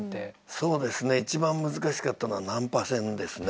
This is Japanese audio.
そうですね一番難しかったのは「難破船」ですね。